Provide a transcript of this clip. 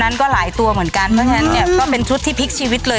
นั้นก็หลายตัวเหมือนกันเพราะฉะนั้นเนี่ยก็เป็นชุดที่พลิกชีวิตเลย